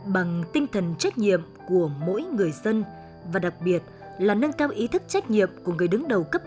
bằng tinh thần trách nhiệm của mỗi người dân và đặc biệt là nâng cao ý thức trách nhiệm của người đứng đầu cấp